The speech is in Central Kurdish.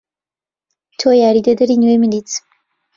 تۆ یاریدەدەری نوێی منیت.